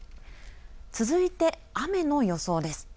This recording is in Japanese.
続いて、雨の予想です。